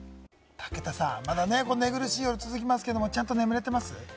武田さん、まだ寝苦しい夜が続きますけれども、ちゃんと眠れてますか？